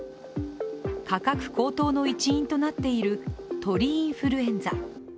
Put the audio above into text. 価格高騰の一因となっている鳥インフルエンザ